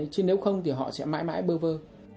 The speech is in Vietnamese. chứ nếu không thì họ sẽ mãi mãi bơ vơ